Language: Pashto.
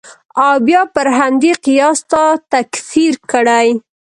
او بیا پر همدې قیاس تا تکفیر کړي.